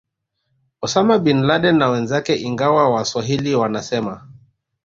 Osama Bin Laden na wenzake ingawa waswahili wanasema